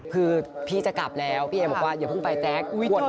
คือพี่จะกลับแล้วพี่เอ๋สบอกว่าอย่าเพิ่งไปจ๊าแกร์ดรับภูมิน้ำหน่อย